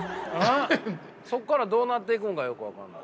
そこからどうなっていくのかよく分からない。